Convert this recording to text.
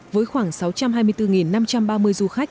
với khoảng sáu trăm hai mươi bốn năm trăm ba mươi du khách